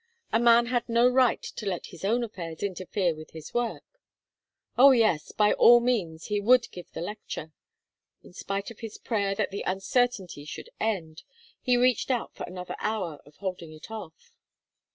A man had no right to let his own affairs interfere with his work. Oh yes by all means, he would give the lecture. In spite of his prayer that the uncertainty should end, he reached out for another hour of holding it off.